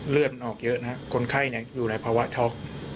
เลือดออกเยอะนะครับคนไข้อยู่ในภาวะช็อก